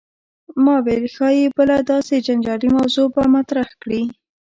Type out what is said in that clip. ما ویل ښايي بله داسې جنجالي موضوع به مطرح کړې.